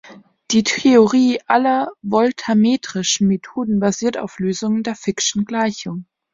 Die Theorie aller voltammetrischen Methoden basiert auf Lösungen der Fick'schen Gleichung.